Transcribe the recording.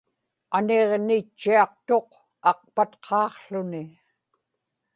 aniġnitchiaqtuq aqpatqaaqłuni